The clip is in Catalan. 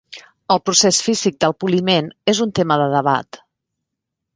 El procés físic de poliment és un tema de debat.